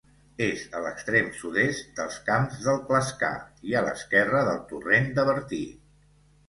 És a l'extrem sud-est dels Camps del Clascar i a l'esquerra del torrent de Bertí.